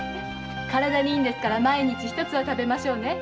体にいいから毎日一つは食べましょうね。